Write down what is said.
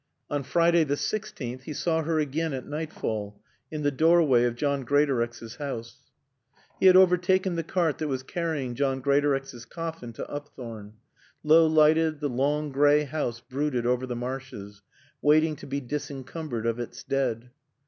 On Friday the sixteenth he saw her again at nightfall, in the doorway of John Greatorex's house. He had overtaken the cart that was carrying John Greatorex's coffin to Upthorne. Low lighted, the long gray house brooded over the marshes, waiting to be disencumbered of its dead.